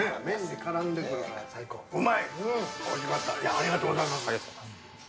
ありがとうございます。